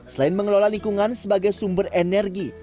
selain mengelola lingkungan sebagai sumber energi